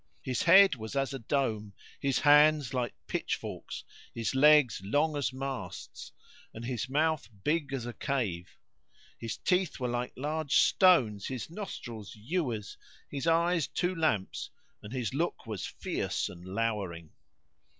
His head was as a dome, his hands like pitchforks, his legs long as masts and his mouth big as a cave; his teeth were like large stones, his nostrils ewers, his eyes two lamps and his look was fierce and lowering.